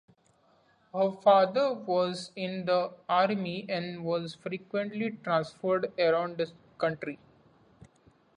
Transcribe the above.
Her father was in the Army and was frequently transferred around the country.